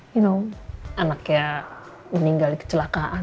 you know anaknya meninggal kecelakaan